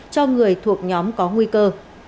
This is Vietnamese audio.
cho người thuộc nhóm có nguy cơ